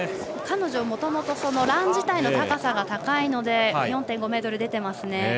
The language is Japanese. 彼女はもともとラン自体の高さが高いので４．５ｍが出ていますね。